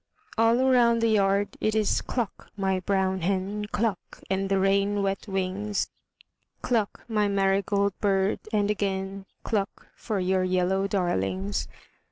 All round the yard it is cluck, my brown hen, Cluck, and the rain wet wings, Cluck, my marigold bird, and again Cluck for your yellow darlings.